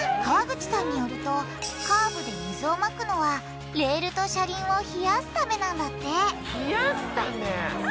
川口さんによるとカーブで水をまくのはレールと車輪を冷やすためなんだって冷やすため！